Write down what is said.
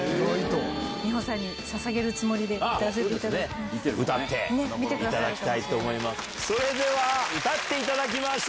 美穂さんにささげるつもりで歌わせていただきます。